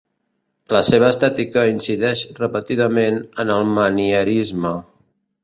La seva estètica incideix repetidament en el manierisme.